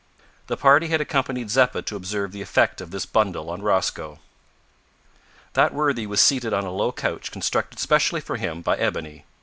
The party had accompanied Zeppa to observe the effect of this bundle on Rosco. That worthy was seated on a low couch constructed specially for him by Ebony.